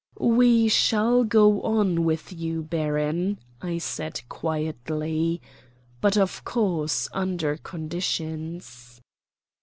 "We shall go on with you, baron," I said quietly; "but of course under conditions."